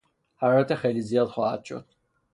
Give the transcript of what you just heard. حرارت خیلی زیاد خواهد شد.